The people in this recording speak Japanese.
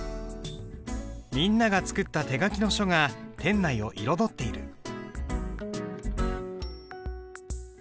みんなが作った手書きの書が店内を彩っている。